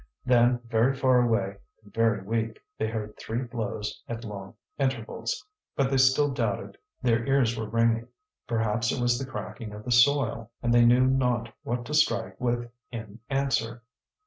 Then, very far away and very weak, they heard three blows at long intervals. But they still doubted; their ears were ringing; perhaps it was the cracking of the soil. And they knew not what to strike with in answer.